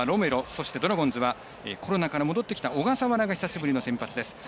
そしてドラゴンズはコロナから戻ってきた小笠原が久しぶりの先発です。